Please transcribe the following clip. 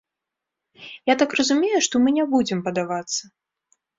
Я так разумею, што мы не будзем падавацца.